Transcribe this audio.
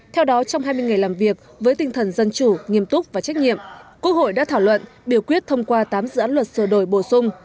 theo đó trong hai mươi ngày làm việc với tinh thần dân chủ nghiêm túc và trách nhiệm quốc hội đã thảo luận biểu quyết thông qua tám dự án luật sửa đổi bổ sung